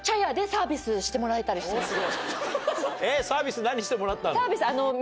サービスしてもらったんです。